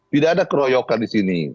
tidak ada keroyokan disini